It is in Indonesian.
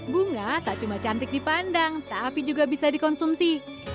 bunga tak cuma cantik dipandang tapi juga bisa dikonsumsi